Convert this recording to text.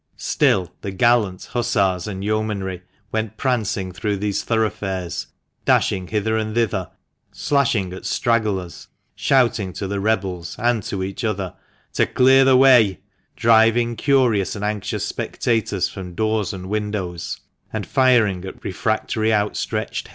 Still the gallant hussars and yeomanry went prancing through these thoroughfares, dashing hither and thither, slashing at strag glers, shouting to the rebels, and to each other, to "clear the way"; driving curious and anxious spectators from doors and windows, and firing at refractory outstretched heads.